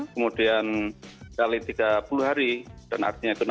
kemudian kali tiga puluh hari itu mereka menghabiskan dua puluh ribu rupiah satu bungkus rokok